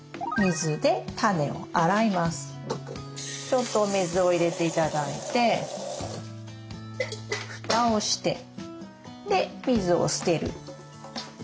ちょっとお水を入れて頂いて蓋をしてで水を捨てる。